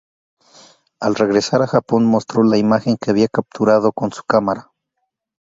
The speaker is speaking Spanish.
Al regresar a Japón mostro la imagen que había capturado con su cámara.